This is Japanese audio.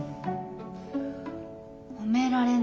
褒められないって？